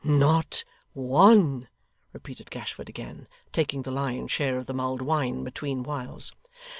'Not one,' repeated Gashford again taking the lion's share of the mulled wine between whiles.